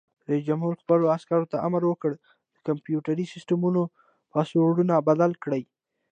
رئیس جمهور خپلو عسکرو ته امر وکړ؛ د کمپیوټري سیسټمونو پاسورډونه بدل کړئ!